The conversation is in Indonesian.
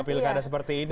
tidak ada seperti ini ya